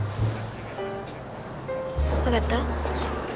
分かった？